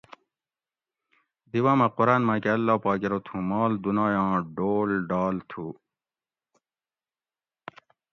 دی باۤمہ قران ماکہ اللّٰہ پاک ارو تھوں مال دُنایاں ڈول ڈال تھو